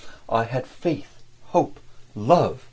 I had faith, hope, love.